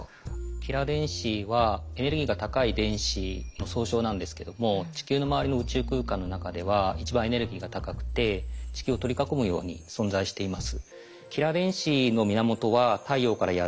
キラー電子はエネルギーが高い電子の総称なんですけども地球の周りの宇宙空間の中では一番エネルギーが高くて地球を取り囲むように存在しています。